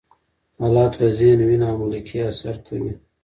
حالات په ذهن، وینه او ملکه اثر کوي.